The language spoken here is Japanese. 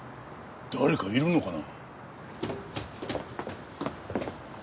誰かいるのかな？